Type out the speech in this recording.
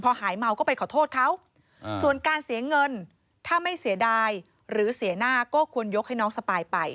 หายเมาก็ไปขอโทษเขาส่วนการเสียเงินถ้าไม่เสียดายหรือเสียหน้าก็ควรยกให้น้องสปายไป